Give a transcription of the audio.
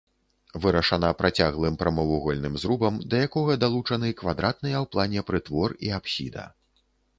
Вырашана працяглым прамавугольным зрубам, да якога далучаны квадратныя ў плане прытвор і апсіда.